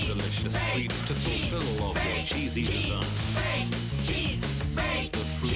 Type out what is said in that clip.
チーズ！